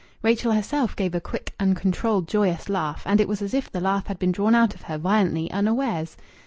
Rachel herself gave a quick, uncontrolled, joyous laugh, and it was as if the laugh had been drawn out of her violently unawares.